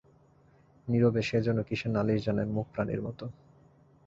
নীরবে সে যেন কিসের নালিশ জানায়, মূক প্রাণীর মতো।